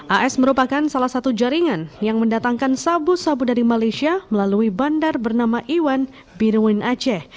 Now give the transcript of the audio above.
as merupakan salah satu jaringan yang mendatangkan sabu sabu dari malaysia melalui bandar bernama iwan birwin aceh